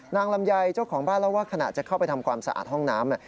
ลำไยเจ้าของบ้านเล่าว่าขณะจะเข้าไปทำความสะอาดห้องน้ำ